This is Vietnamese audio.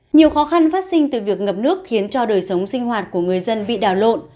nhiều khó khăn phát sinh từ việc ngập nước khiến cho đời sống sinh hoạt của người dân bị đào lộn